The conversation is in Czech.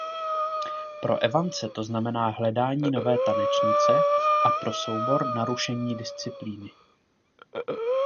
Pro Evanse to znamená hledání nové tanečnice a pro soubor narušení disciplíny.